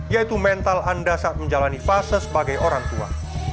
yaitu mental anda saat menjalani fase sebagai orang tua